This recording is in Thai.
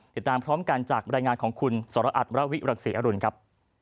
ติดตามพร้อมกันจากบรรยายงานของคุณสรอัตรวิรักษีอรุณครับ